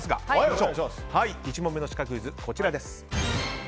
１問目のシカクイズこちらです。